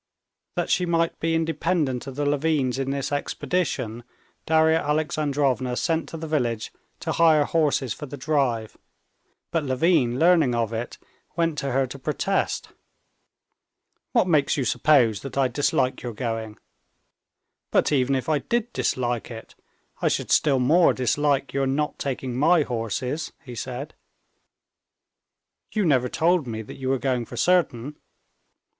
That she might be independent of the Levins in this expedition, Darya Alexandrovna sent to the village to hire horses for the drive; but Levin learning of it went to her to protest. "What makes you suppose that I dislike your going? But, even if I did dislike it, I should still more dislike your not taking my horses," he said. "You never told me that you were going for certain.